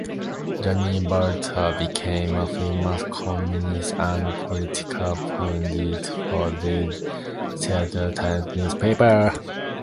Joni Balter became a famous columnist and political pundit for The Seattle Times newspaper.